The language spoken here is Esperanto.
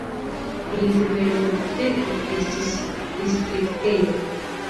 Pli frue la urbeto estis distriktejo.